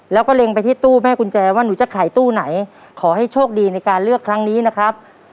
แล้วก็เล็งไปที่ตู้แม่กุญแจว่าหนูจะขายตู้ไหนขอให้โชคดีในการเลือกครั้งนี้นะครับ